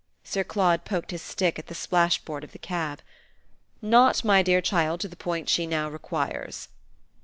Sir Claude poked his stick at the splashboard of the cab. "Not, my dear child, to the point she now requires."